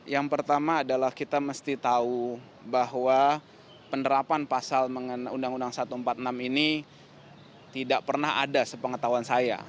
yang pertama adalah kita mesti tahu bahwa penerapan pasal mengenai undang undang satu ratus empat puluh enam ini tidak pernah ada sepengetahuan saya